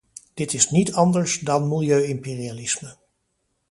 Dit is niet anders dan milieu-imperialisme.